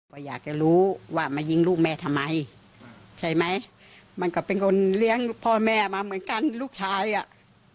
ก็อยากจะรู้ว่ามายิงลูกแม่ทำไมใช่ไหมมันก็เป็นคนเลี้ยงพ่อแม่มาเหมือนกันลูกชายอ่ะ